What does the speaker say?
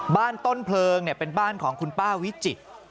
บ้านต้นเพลิงเนี่ยเป็นบ้านของคุณป้าวิจิติ